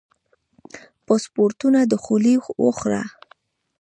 پاسپورتونو دخولي وخوړه.